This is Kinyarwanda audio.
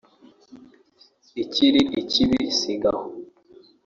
ikiri ikibi ‘Sigaho’